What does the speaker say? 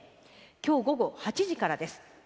きょう午後８時からです。